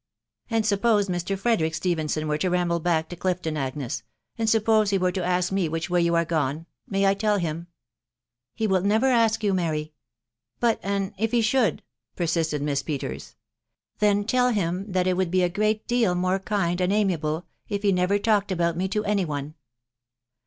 " And suppose Mr. Frederick Stephenson were to ramble back to Clifton, Agnes, ..^. and suppose he were to aak which way you are gone .... may I tell him ?" "Re never will ask you, Mary. ..•' THE WIDOW BARNABY. 28 T « But an' if he should ?" persisted Miss Peters. " Then tell him that it would be a great deal more kind1 and amiable if he never agatn talked about me to any one."